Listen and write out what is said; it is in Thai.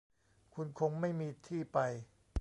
คุณคงไม่มีที่ไป